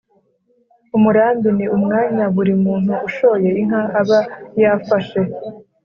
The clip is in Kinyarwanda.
umurambi ni umwanya buri muntu ushoye inka aba yafashe